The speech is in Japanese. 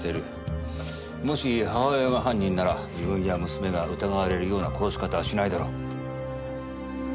もし母親が犯人なら自分や娘が疑われるような殺し方はしないだろ。